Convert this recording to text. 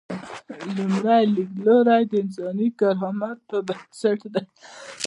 لومړی لیدلوری د انساني کرامت پر بنسټ دی.